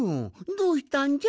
どうしたんじゃ？